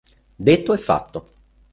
Detto e fatto.